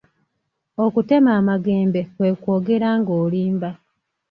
Okutema amagembe kwe kwogera nga olimba.